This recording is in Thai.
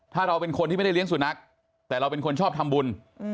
ถ้าเราเป็นคนที่ไม่ได้เลี้ยงสุนัขแต่เราเป็นคนชอบทำบุญ